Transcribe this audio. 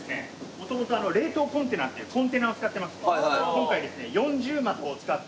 元々冷凍コンテナっていうコンテナを使ってまして今回ですね四重膜を使って。